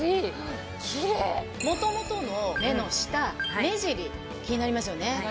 元々の目の下目尻気になりますよね。